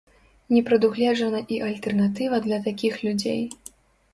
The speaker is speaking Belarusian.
Не прадугледжана і альтэрнатыва для такіх людзей.